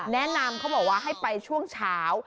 แนะนำเขาบอกว่าให้ไปช่วงเช้า